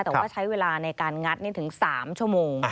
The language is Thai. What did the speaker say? แต่ว่าใช้เวลาในการงัดถึง๓ชั่วโมง